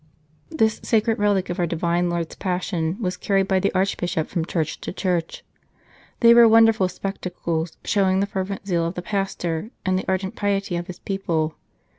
This sacred relic of our Divine Lord s Passion was carried by the Archbishop from church to church. They were wonderful spec tacles, showing the fervent zeal of the pastor and the ardent piety of his people.